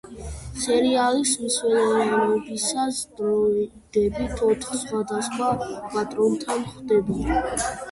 სერიალის მსვლელობისას დროიდები ოთხ სხვადასხვა პატრონთან ხვდებიან.